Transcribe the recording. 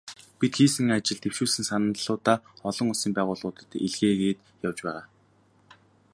Бид хийсэн ажил, дэвшүүлсэн саналуудаа олон улсын байгууллагуудад илгээгээд явж байгаа.